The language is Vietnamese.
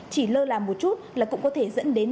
chỉ lơ là một chút là cũng có thể dẫn đến